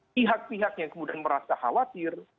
pihak pihak yang kemudian merasa khawatir